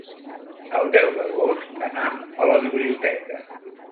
El deu d'agost anam a la biblioteca.